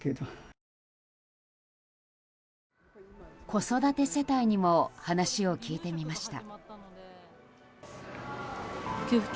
子育て世帯にも話を聞いてみました。